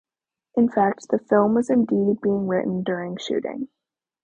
In fact, the film was indeed being written during shooting.